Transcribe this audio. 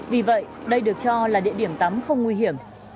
vì vậy đây được cho là địa điểm tắm không nguy hiểm